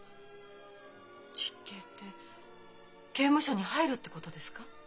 実刑って刑務所に入るってことですか？